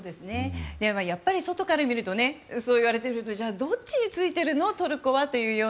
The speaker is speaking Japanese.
やっぱり外から見るとそう言われてみるとじゃあ、どっちについているのトルコは？